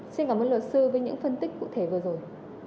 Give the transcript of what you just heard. xin cảm ơn luật sư với những phân tích cụ thể vừa rồi